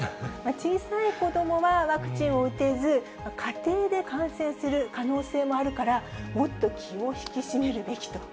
小さい子どもはワクチンを打てず、家庭で感染する可能性もあるから、もっと気を引き締めるべきと。